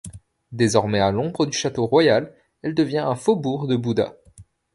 Désormais à l'ombre du château royal, elle devient un faubourg de Buda.